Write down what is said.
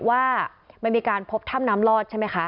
ว่ามันมีการพบถ้ำน้ำลอดใช่ไหมคะ